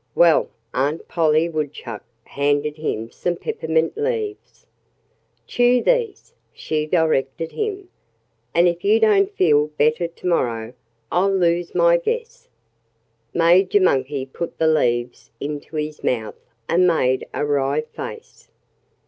Well, Aunt Polly Woodchuck handed him some peppermint leaves. "Chew these," she directed him. "And if you don't feel better to morrow I'll lose my guess." Major Monkey put the leaves into his mouth and made a wry face.